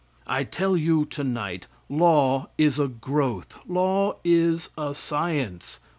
I tell you tonight law is a growth; law is a science.